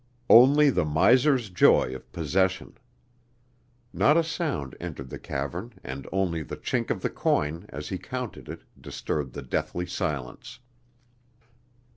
Only the miser's joy of possession. Not a sound entered the cavern and only the chink of the coin, as he counted it, disturbed the deathly silence.